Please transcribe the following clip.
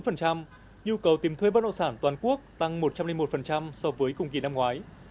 nhu cầu tìm thuê bất nộ sản toàn quốc tăng một trăm linh một so với cùng kỳ năm ngoái